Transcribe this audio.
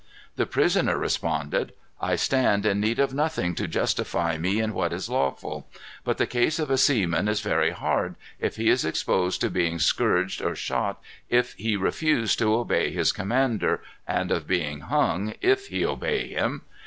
The prisoner responded, "I stand in need of nothing to justify me in what is lawful. But the case of a seaman is very hard, if he is exposed to being scourged or shot if he refuse to obey his commander, and of being hung if he obey him.